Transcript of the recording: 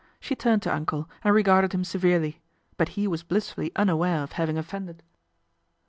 She turned to Uncle and regarded him severely ; but he was blissfully unaware of having offended.